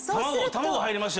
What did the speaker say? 卵入りましたよ！